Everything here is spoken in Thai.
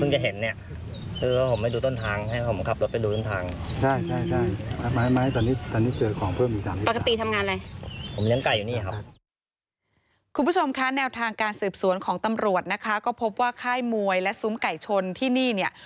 คุณผู้ชมคะแนวทางการสืบสวนของตำรวจนะคะก็พบว่าค่ายมวยและซุ้มไก่ชนที่นี่เนี่ย